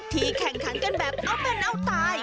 แข่งขันกันแบบเอาเป็นเอาตาย